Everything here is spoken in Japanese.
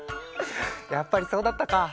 やっぱりそうだったか！